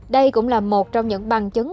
đây cũng là một trong những bằng chứng